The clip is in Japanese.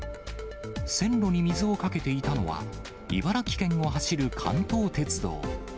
線路に水をかけていたのは、茨城県を走る関東鉄道。